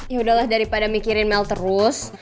yaudahlah daripada mikirin mel terus